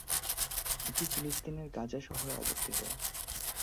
এটি ফিলিস্তিনের গাজা শহরে অবস্থিত।